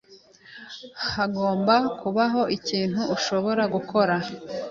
Hagomba kubaho ikintu nshobora gukora.